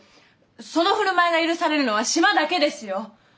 その振る舞いが許されるのは島だけですよ。